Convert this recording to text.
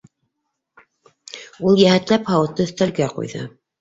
Ул йәһәтләп һауытты өҫтәлгә ҡуйҙы.